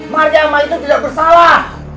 maria amma itu tidak bersalah